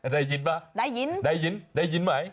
ได้ยินป่ะได้ยินได้ยินไหม